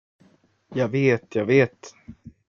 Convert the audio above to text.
Jag vet, jag vet.